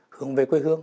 hướng về quê hương